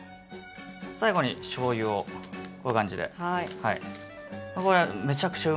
最後に醤油をこういう感じで。